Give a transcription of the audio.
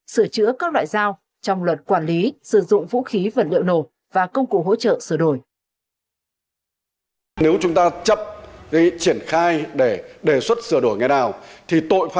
sửa chữa các loại dao trong luật quản lý sử dụng vũ khí vật liệu nổ và công cụ hỗ trợ sửa đổi